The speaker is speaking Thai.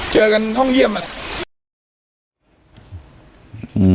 เจอกันห้องเยี่ยมมาแล้ว